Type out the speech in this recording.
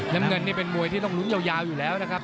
น้ำเงินนี่เป็นมวยที่ต้องลุ้นยาวอยู่แล้วนะครับ